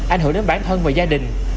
ảnh hưởng đến bản thân và gia đình